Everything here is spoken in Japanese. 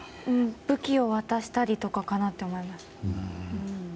武器を渡したりとかかなと思いました。